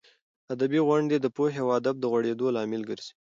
ادبي غونډې د پوهې او ادب د غوړېدو لامل ګرځي.